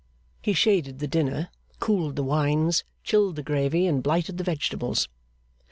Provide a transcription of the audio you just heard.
He shaded the dinner, cooled the wines, chilled the gravy, and blighted the vegetables.